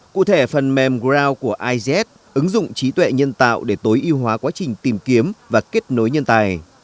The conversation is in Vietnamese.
cụ thể phần mềm ground của izs ứng dụng trí tuệ nhân tạo để tối ưu hóa quá trình tìm kiếm và kết nối nhân tài